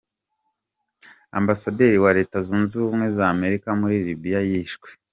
Ambasaderi wa Leta Zunze Ubumwe z’Amerika muri Libiya yishwe